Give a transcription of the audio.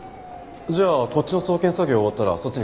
じゃあこっちの送検作業終わったらそっちに合流します。